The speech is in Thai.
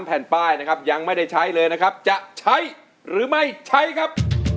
แผ่นป้ายนะครับยังไม่ได้ใช้เลยนะครับจะใช้หรือไม่ใช้ครับ